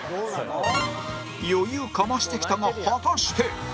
余裕かましてきたが果たして？